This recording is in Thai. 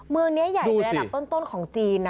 เมืองนี้ใหญ่ในระดับต้นของจีน